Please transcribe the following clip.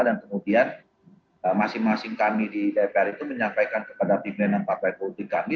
dan kemudian masing masing kami di dpr itu menyampaikan kepada pimpinan partai politik kami